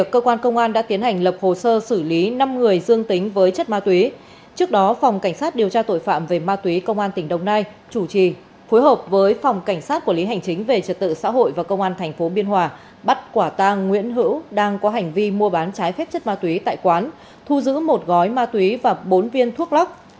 cơ quan công an đã tiến hành lập hồ sơ xử lý năm người dương tính với chất ma túy trước đó phòng cảnh sát điều tra tội phạm về ma túy công an tp đồng nai chủ trì phối hợp với phòng cảnh sát quản lý hành chính về trật tự xã hội và công an tp biên hòa bắt quả tang nguyễn hữu đang có hành vi mua bán trái phép chất ma túy tại quán thu giữ một gói ma túy và bốn viên thuốc lóc